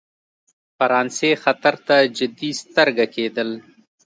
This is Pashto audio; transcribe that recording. فرانسې خطر ته جدي سترګه کېدل.